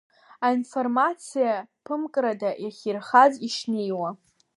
Аинформациа ԥымкрада иахьирхаз ишнеиуа.